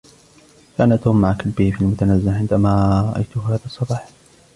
كان توم مع كلبه في المتنزه عندما رأيته هذا الصباح.